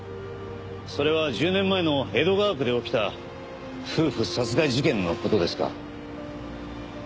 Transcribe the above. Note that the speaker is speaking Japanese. それは１０年前の江戸川区で起きた夫婦殺害事件の事ですか？